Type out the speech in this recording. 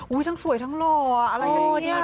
อุ้ยทั้งสวยทั้งหล่ออะไรอย่างนี้